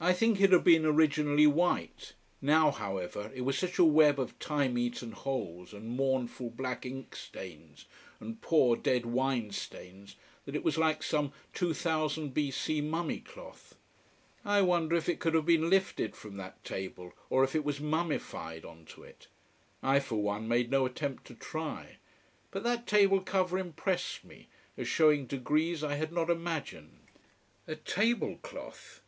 I think it had been originally white: now, however, it was such a web of time eaten holes and mournful black inkstains and poor dead wine stains that it was like some 2000 B.C. mummy cloth. I wonder if it could have been lifted from that table: or if it was mummified on to it! I for one made no attempt to try. But that table cover impressed me, as showing degrees I had not imagined. A table cloth.